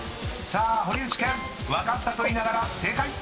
［さあ堀内健分かったと言いながら正解！］